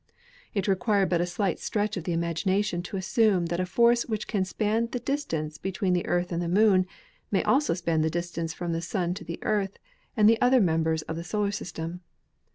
It required but a slight stretch of the imagination to as sume that a force which can span the distance between the Earth and the Moon may also span the distance from the Sun to the Earth and the other members of the solar sys tem.